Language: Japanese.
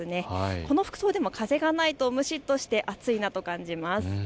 この服装でも風がないと蒸しっとして暑いなと感じます。